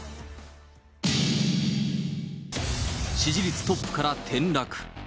支持率トップから転落。